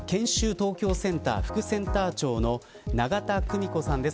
東京センター副センター長の永田久美子さんです。